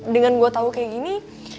dengan gue tahu kayak gini